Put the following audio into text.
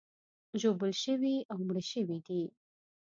ژوبل شوي او مړه شوي دي.